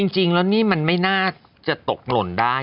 จริงแล้วนี่มันไม่น่าจะตกหล่นได้